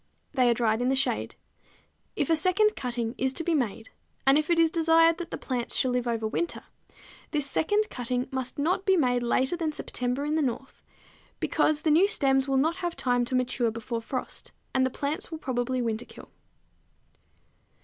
They are dried in the shade. If a second cutting is to be made, and if it is desired that the plants shall live over winter, this second cutting must not be made later than September in the North, because the new stems will not have time to mature before frost, and the plants will probably winterkill.